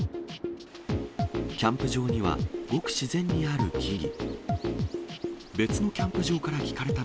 キャンプ場にはごく自然にある木々。